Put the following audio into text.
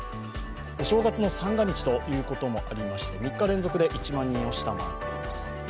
お正月の三が日ということもありまして、３日連続で１万人を下回っています。